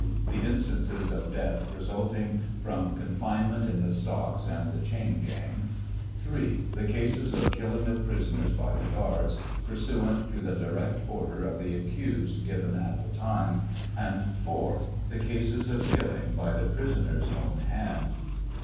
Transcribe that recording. The instances of death resulting from confinement in the stocks and the chain gang. 3. The cases of killing of prisoners by the guards, pursuant to the direct order of the accused given at the time ; and 4. The cases of killing by the prisoner's own hand.